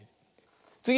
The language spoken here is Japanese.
つぎ！